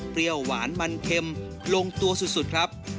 เปรี้ยวหวานมันเข็มลงตัวสุดครับ